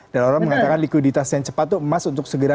dan orang mengatakan likuiditas yang cepat itu emas untuk segera